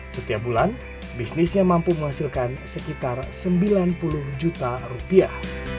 setiap bulan bisnisnya mampu menghasilkan sekitar sembilan puluh juta rupiah